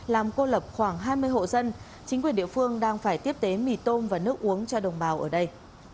làm cô lập khoảng hai mươi hộ dân chính quyền địa phương đang phải tiếp tế mì tôm và nước uống cho đồng bào ở đây